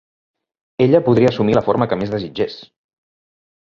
Ella podria assumir la forma que més desitgés.